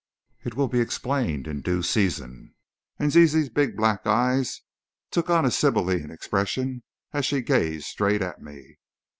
"It will be explained in due season," and Zizi's big black eyes took on a sibylline expression as she gazed straight at me.